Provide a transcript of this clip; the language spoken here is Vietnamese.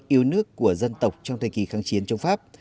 yêu nước của dân tộc trong thời kỳ kháng chiến chống pháp